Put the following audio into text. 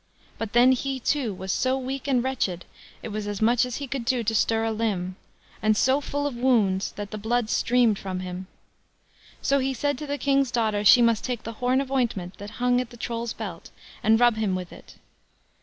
But then he, too, was so weak and wretched, it was as much as he could do to stir a limb, and so full of wounds, that the blood streamed from him. So he said to the King's daughter she must take the horn of ointment that hung at the Troll's belt, and rub him with it.